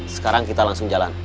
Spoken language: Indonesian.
sekarang kita langsung jalan